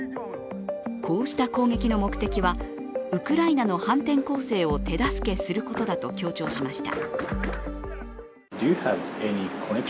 こうした攻撃の目的はウクライナの反転攻勢を手助けすることだと強調しました。